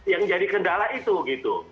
yang jadi kendala itu gitu